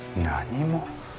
何も？